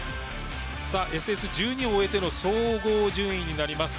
ＳＳ１２を終えての総合順位になります。